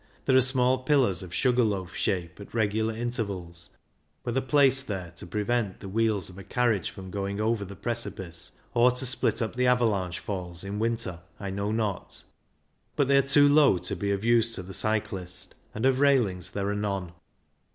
There are small pillars of sugar loaf shape at regular intervals, whether placed there to prevent the wheels of a carriage from going over the precipice, or to split up the avalanche falls in winter, I know not, but they are too low to be of use to the cyclist, and of railings there are none.